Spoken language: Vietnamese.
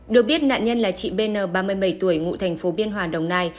được biết nạn nhân là chị bn ba mươi bảy tuổi ngụ thành phố biên hòa đồng nai